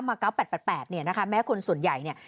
๙๘๘เนี่ยนะคะแม้คนส่วนใหญ่เนี่ย